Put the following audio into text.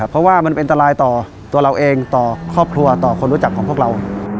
เพราะว่ามันเป็นอันตรายต่อตัวเราเองต่อครอบครัวต่อคนรู้จักของพวกเรา